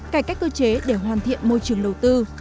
cải cách cơ chế để hoàn thiện môi trường đầu tư